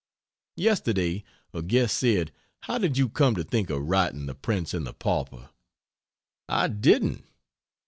Yesterday a guest said, "How did you come to think of writing 'The Prince and the Pauper?'" I didn't.